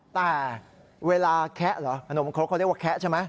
แต่เวลาแคะเหรอขนมครกเขาเรียกว่าแคะใช่ไหม